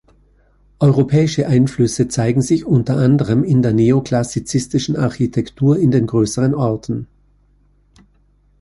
Europäische Einflüsse zeigen sich unter anderem in der neoklassizistischen Architektur in den größeren Orten.